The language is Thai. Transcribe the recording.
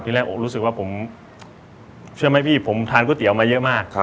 แรกรู้สึกว่าผมเชื่อไหมพี่ผมทานก๋วยเตี๋ยวมาเยอะมาก